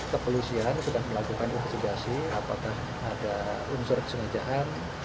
kepolusian sudah dilakukan investigasi apakah ada unsur sengajaan